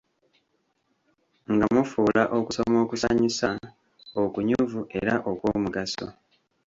Nga mufuula okusoma okusanyusa, okunyuvu era okw'omugaso.